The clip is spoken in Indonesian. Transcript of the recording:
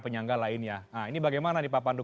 penyangga lainnya nah ini bagaimana nih pak pandu